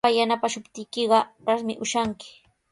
Pay yanapaashuptiykiqa rasmi ushanki.